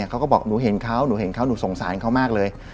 เขาก็บอกหนูเห็นเขาหนูเห็นเขาหนูสงสารเขามากเลย